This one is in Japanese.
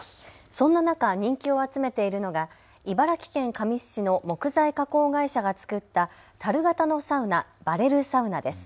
そんな中、人気を集めているのが茨城県神栖市の木材加工会社が作ったたる形のサウナ、バレルサウナです。